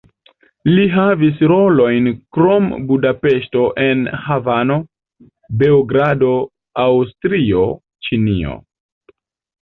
Li havis rolojn krom Budapeŝto en Havano, Beogrado, Aŭstrio, Ĉinio.